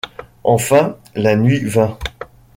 Enfin la nuit vint.